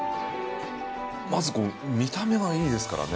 まず見た目がいいですからね。